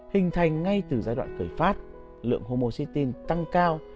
hình thành ngay từ giai đoạn cởi phát lượng homocytin tăng cao